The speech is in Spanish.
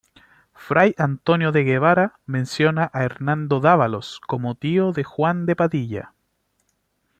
Fray Antonio de Guevara menciona a Hernando Dávalos como tío de Juan de Padilla.